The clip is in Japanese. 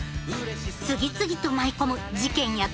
次々と舞い込む事件やトラブル！